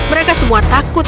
mereka semua takut akan berubah